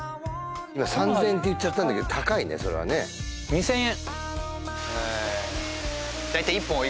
今３０００円って言っちゃったんだけど高いねそれはね２０００円えっ！？